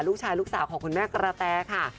ลูกสาวลูกสาวของคุณแม่กระแตค่ะ